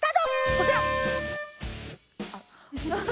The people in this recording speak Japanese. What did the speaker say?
こちら。